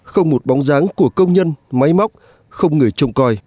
không một bóng dáng của công nhân máy móc không người trông coi